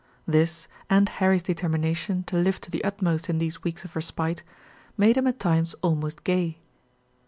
This, and Harry's determination to live to the utmost in these weeks of respite, made him at times almost gay.